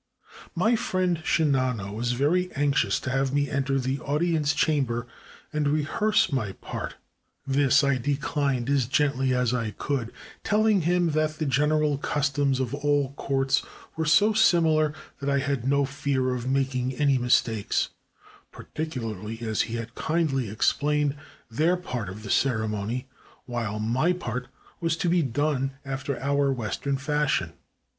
My friend Shinano was very anxious to have me enter the audience chamber and rehearse my part. This I declined as gently as I could, telling him that the general customs of all courts were so similar that I had no fear 439 JAPAN of making any mistakes, particularly as he had kindly explained their part of the ceremony, while my part was to be done after our Western fashion.